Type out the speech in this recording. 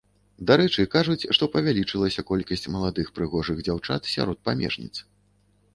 Дарэчы, кажуць, што павялічылася колькасць маладых прыгожых дзяўчат сярод памежніц.